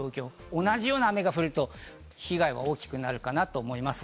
同じような雨が降ると被害が大きくなるかなと思います。